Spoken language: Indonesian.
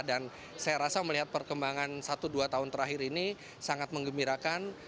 dan saya rasa melihat perkembangan satu dua tahun terakhir ini sangat mengembirakan